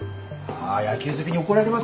あ野球好きに怒られますよ。